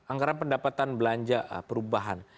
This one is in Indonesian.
anggaran pendapatan belanja perubahan